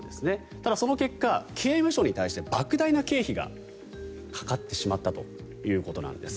ただ、その結果、刑務所に対してばく大な経費がかかってしまったということなんです。